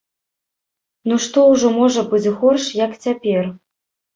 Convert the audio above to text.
Ну што ўжо можа быць горш, як цяпер?